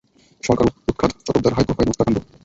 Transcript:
সরকার উৎখাত, চটকদার হাই-প্রোফাইল হত্যাকাণ্ড।